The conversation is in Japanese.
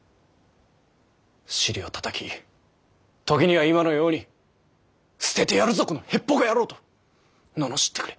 尻をたたき時には今のように「捨ててやるぞこのへっぽこ野郎」と罵ってくれ。